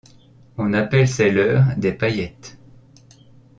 On appelle ces leurres des paillettes.